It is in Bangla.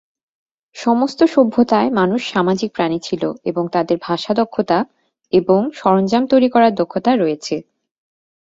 সমস্ত সভ্যতায় মানুষ সামাজিক প্রাণী ছিল এবং তাদের ভাষা দক্ষতা এবং সরঞ্জাম তৈরি করার দক্ষতা রয়েছে।